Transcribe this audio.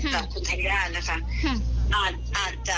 กับคุณทักย่านะคะอาจจะคืออย่างที่หลวงบอกมันไม่ได้เซ็นเป็นบุคลุณธรรม